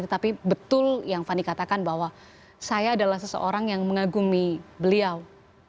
tetapi betul yang fanny katakan bahwa saya adalah seseorang yang mengagumi beliau